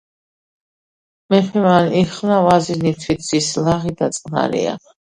მეფემან იხმნა ვაზირნი, თვით ზის ლაღი და წყნარია,